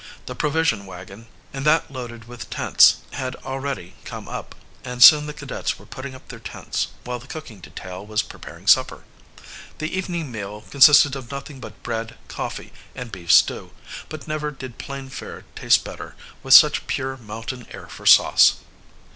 The provision wagon and that loaded with the tents had already come up, and soon the cadets were putting up their tents, while the cooking detail was preparing supper. The evening meal consisted of nothing but bread, coffee, and beef stew, but never did plain fare taste better, with such pure mountain air for sauce.